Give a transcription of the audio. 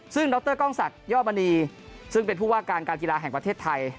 ซึ่งดรกล้องศักดมณีซึ่งเป็นผู้ว่าการการกีฬาแห่งประเทศไทย